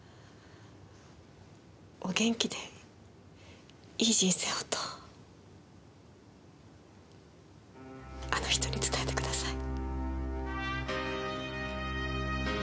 お元気でいい人生をとあの人に伝えてください。